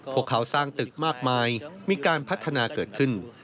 พวกเขาสร้างตึกมากมายมีการพัฒนาเกิดขึ้น